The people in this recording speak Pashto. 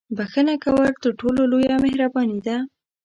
• بښنه کول تر ټولو لویه مهرباني ده.